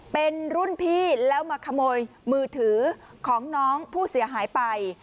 เป็นรุ่นพี่แล้วมาขโมยมือถือของน้องผู้เสียหายไป